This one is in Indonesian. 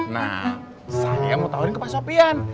nah saya mau tawarin ke pak sopian